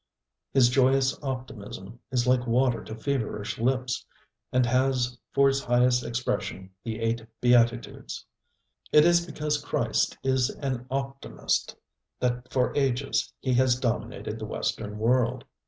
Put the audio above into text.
His joyous optimism is like water to feverish lips, and has for its highest expression the eight beatitudes. It is because Christ is an optimist that for ages he has dominated the Western world.